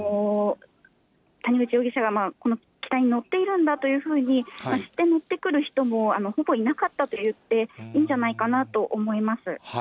谷口容疑者がこの機体に乗っているんだというふうに知って乗ってくる人もほぼいなかったと言っていいんじゃないかなと思います。